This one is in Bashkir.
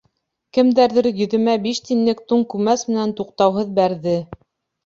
Кемдәрҙер йөҙөмә биш тинлек туң күмәс менән туҡтауһыҙ бәрҙе.